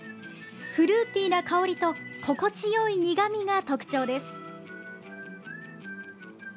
フルーティーな香りと心地よい苦みが特徴です。